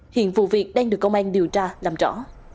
hiện vụ việc đang được công an điều tra làm rõ